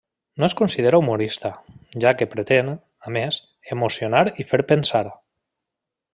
No es considera humorista, ja que pretén, a més, emocionar i fer pensar.